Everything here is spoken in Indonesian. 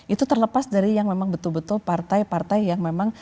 itu terlepas dari yang memang betul betul partai partai yang memang